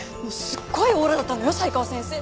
すっごいオーラだったのよ才川先生。